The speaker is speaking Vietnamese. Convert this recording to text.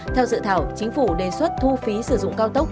theo dự thảo chính phủ đề xuất thu phí sử dụng cao tốc